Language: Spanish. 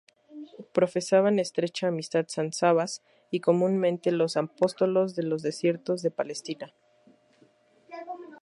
Profesaban estrecha amistad San Sabas y comúnmente los apóstoles de los desiertos de Palestina.